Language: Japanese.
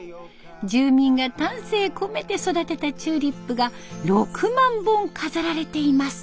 住民が丹精込めて育てたチューリップが６万本飾られています。